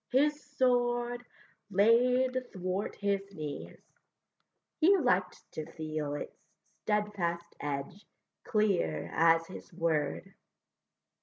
his sword Laid thwart his knees; he liked to feel Its steadfast edge clear as his word.